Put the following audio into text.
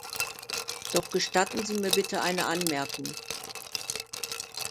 Doch gestatten Sie mir bitte eine Anmerkung.